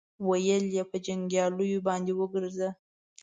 ويې ويل: په جنګياليو باندې وګرځه.